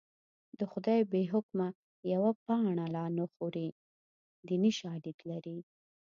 د خدای بې حکمه یوه پاڼه لا نه خوري دیني شالید لري